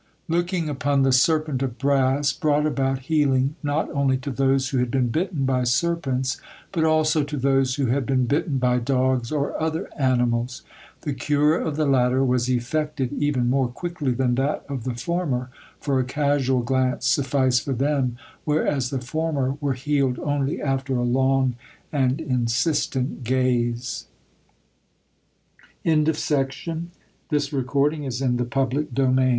Looking upon the serpent of brass brought about healing not only to those who had been bitten by serpents, but also to those who had been bitten by dogs or other animals. The cure of the latter was effected even more quickly than that of the former, for a casual glance sufficed for them, whereas the former were healed only after a long and insistent g